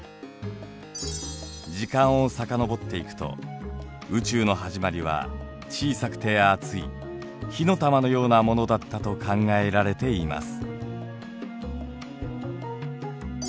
時間を遡っていくと宇宙のはじまりは小さくて熱い火の玉のようなものだったと考えられています。